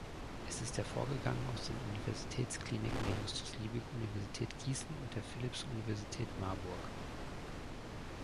Es ist hervorgegangen aus den Universitätskliniken der Justus-Liebig-Universität Gießen und der Philipps-Universität Marburg.